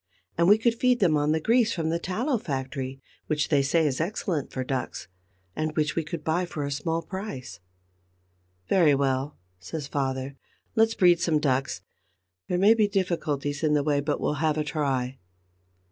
And we could feed them on the grease from the tallow factory, which they say is excellent for ducks, and which we could buy for a small price." "Very well," says father, "let's breed some ducks. There may be difficulties in the way; but we'll have a try."